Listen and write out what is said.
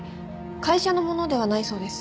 会社のものではないそうです。